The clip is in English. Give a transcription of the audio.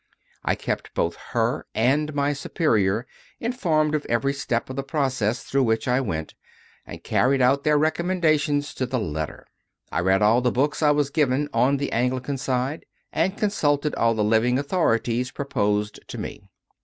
I kept both her and my Superior informed of every step of the process through which I went, and carried out their recommendations to the letter; I read all the books I was given on the Anglican side, and consulted all the living authorities proposed to me.